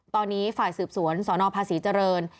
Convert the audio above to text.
ตอนนี้ฝ่ายสืบสวนสนภาษีเจริญ